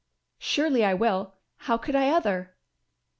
"Surely I will; how could I other?"